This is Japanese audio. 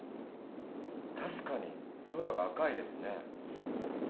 たしかに空が赤いですねぇ。